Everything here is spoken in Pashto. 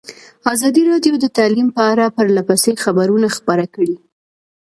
ازادي راډیو د تعلیم په اړه پرله پسې خبرونه خپاره کړي.